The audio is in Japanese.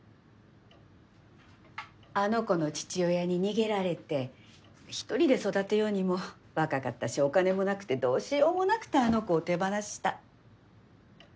あの子の父親に逃げられて１人で育てようにも若かったしお金もなくてどうしようもなくてあの子を手放した。